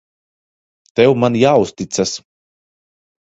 Tev man jāuzticas.